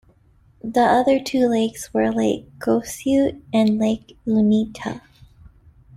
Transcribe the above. The other two lakes were Lake Gosiute and Lake Uinta.